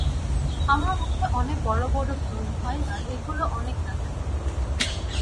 আমার মুখে অনেক বড় বড় ব্রণ হয় আর এগুলো অনেক ব্যথা করে।